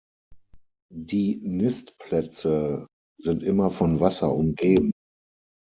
Die Nistplätze sind immer von Wasser umgeben.